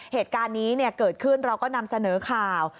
เหตุการณ์นี้เกิดขึ้นเราก็นำเสนอข่าว